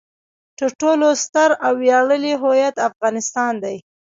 تر ټولو ستر او ویاړلی هویت افغانستان دی.